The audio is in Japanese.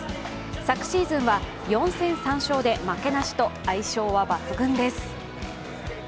昨シーズンは４戦３勝で負けなしと相性は抜群です。